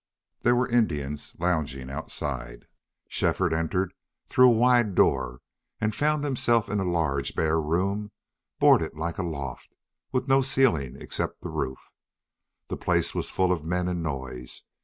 There were Indians lounging outside. Shefford entered through a wide door and found himself in a large bare room, boarded like a loft, with no ceiling except the roof. The place was full of men and noise.